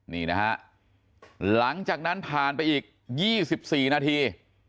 นี่นะฮะหลังจากนั้นผ่านไปอีก๒๔นาที